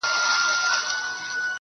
زور او زير مي ستا په لاس کي وليدی.